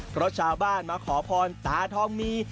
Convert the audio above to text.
เพราะชาวบ้านมาขอพรตาทองมี